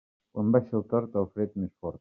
Quan baixa el tord, el fred més fort.